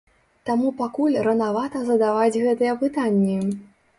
Таму пакуль ранавата задаваць гэтыя пытанні.